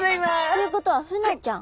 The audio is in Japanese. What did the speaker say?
ということはフナちゃん。